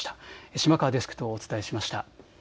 島川デスクとお伝えしました。